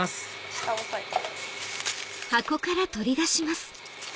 下押さえて。